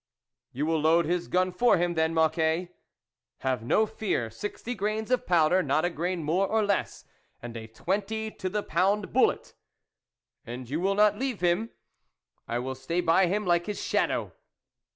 "You will load his gun for him, then, Mocquet ?"" Have no fear, sixty grains of powder, not a grain more or less, and a twenty to the pound bullet." " And you will not leave him ?"" I will stay by him like his shadow."